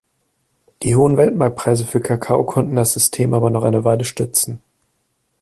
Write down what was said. Die hohen Weltmarktpreise für Kakao konnten das System aber noch eine Weile stützen.